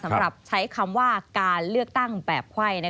สำหรับใช้คำว่าการเลือกตั้งแบบไขว้